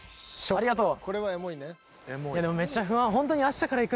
ありがとう！